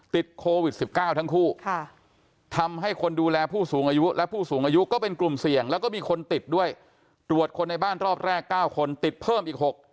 ติดโควิด๑๙ทั้งคู่ทำให้คนดูแลผู้สูงอายุและผู้สูงอายุก็เป็นกลุ่มเสี่ยงแล้วก็มีคนติดด้วยตรวจคนในบ้านรอบแรก๙คนติดเพิ่มอีก๖